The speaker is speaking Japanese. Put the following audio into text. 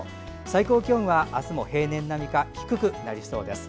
最高気温は、あすも平年並みか低くなりそうです。